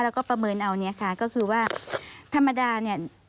แล้วก็ประเมินเอาเนี่ยค่ะก็คือว่าธรรมดาเนี่ย